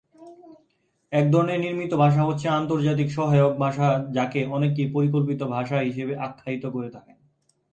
এক ধরনের নির্মিত ভাষা হচ্ছে আন্তর্জাতিক সহায়ক ভাষা যাকে অনেকেই পরিকল্পিত ভাষা হিসেবে আখ্যায়িত করে থাকেন।